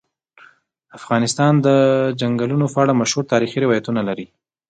افغانستان د چنګلونه په اړه مشهور تاریخی روایتونه لري.